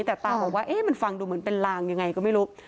แต่ตาบอกว่ามันฟังดูเหมือนเป็นลางยังไงก็ไม่รู้